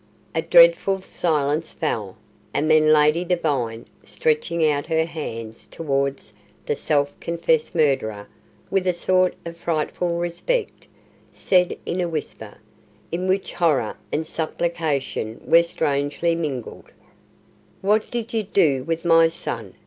A dreadful silence fell, and then Lady Devine, stretching out her hands towards the self confessed murderer, with a sort of frightful respect, said in a whisper, in which horror and supplication were strangely mingled, "What did you do with my son?